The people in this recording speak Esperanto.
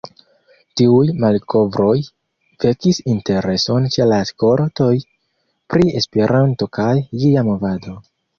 Tiuj malkovroj vekis intereson ĉe la skoltoj pri Esperanto kaj ĝia movado.